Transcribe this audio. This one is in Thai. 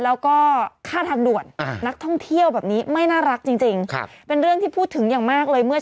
เลยเขาก็เดินเข้าบ้านมาเนอะ